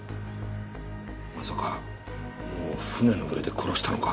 まさかもう船の上で殺したのか？